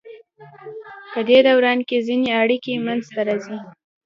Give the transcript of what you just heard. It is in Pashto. پدې دوران کې ځینې اړیکې منځ ته راځي.